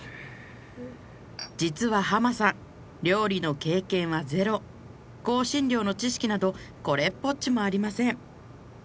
実は濱さん料理の経験はゼロ香辛料の知識などこれっぽっちもありません